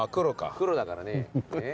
黒だからね。